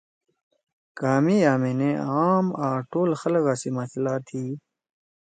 کامیک یأمینے عام آں ٹول خلگا سی مسئلہ تھی۔